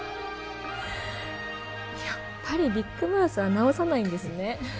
やっぱりビッグマウスは直さないんですね